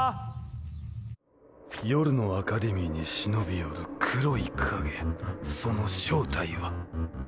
夜のアカデミーに忍び寄る黒い影その正体は。